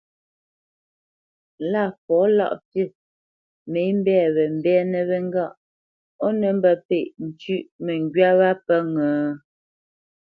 Fɔ Lâʼfî mê mbɛ̂ wě mbɛ́nə̄ wé ŋgâʼ ó nə mbə́pêʼ ncʉ́ʼ məŋgywá wá pə́ ŋə́ ?